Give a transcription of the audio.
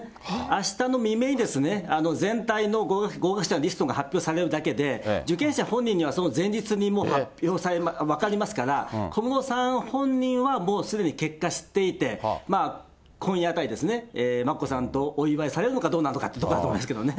あしたの未明に、全体の合格者のリストが発表されるだけで、受験者本人には、その前日にもう詳細分かりますから、小室さん本人は、もうすでに結果知っていて、今夜あたり、眞子さんとお祝いされるのかどうなのかってところだと思いますけどね。